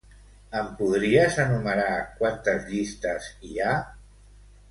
Em podries enumerar quantes llistes hi ha?